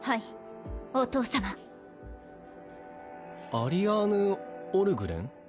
アリアーヌ＝オルグレン？